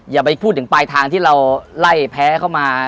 อย่าไปพูดถึงปลายทางที่เราไล่แพ้เข้ามา